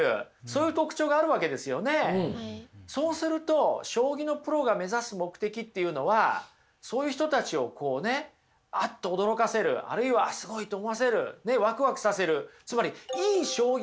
そうすると将棋のプロが目指す目的っていうのはそういう人たちをねあっと驚かせるあるいはすごいと思わせるワクワクさせる。